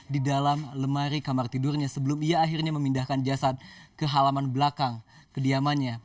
di dalam lemari kamar tidurnya sebelum ia akhirnya memindahkan jasad ke halaman belakang kediamannya